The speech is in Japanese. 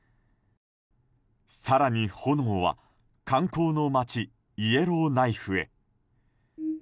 更に炎は、観光の街イエローナイフへ。